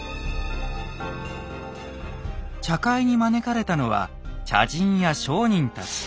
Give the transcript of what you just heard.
茶会に招かれたのは茶人や商人たち。